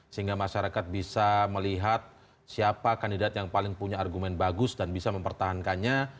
sehingga masyarakat bisa melihat siapa kandidat yang paling punya argumen bagus dan bisa mempertahankannya